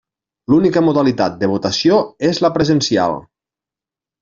L'única modalitat de votació és la presencial.